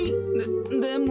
でも。